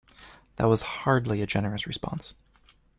That was hardly a generous response.